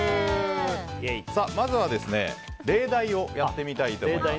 まずは例題をやってみたいと思います。